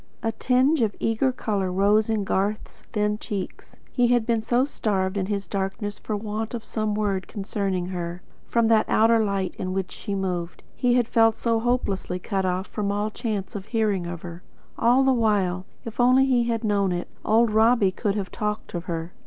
A tinge of eager colour rose in Garth's thin cheeks. He had been so starved in his darkness for want of some word concerning her, from that outer light in which she moved. He had felt so hopelessly cut off from all chance of hearing of her. And all the while, if only he had known it, old Robbie could have talked of her.